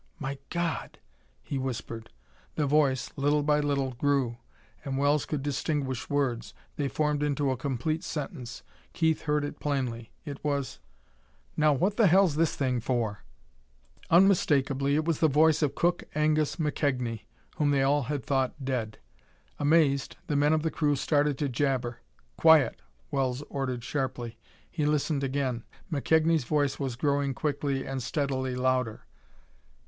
"My God!" he whispered. The voice, little by little, grew, and Wells could distinguish words. They formed into a complete sentence. Keith heard it plainly. It was: "Now, what the hell's this thing for?" Unmistakably, it was the voice of Cook Angus McKegnie, whom they all had thought dead. Amazed, the men of the crew started to jabber. "Quiet!" Wells ordered sharply. He listened again. McKegnie's voice was growing quickly and steadily louder.